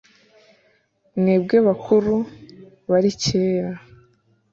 mwebwe bakuru bari kera,